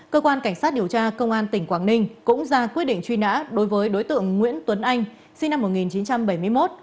cơ quan cảnh sát điều tra công an tỉnh quảng ninh cũng ra quyết định truy nã đối với đối tượng nguyễn tuấn anh sinh năm một nghìn chín trăm bảy mươi một